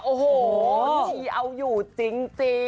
โอ้โหพี่ชีเอาอยู่จริง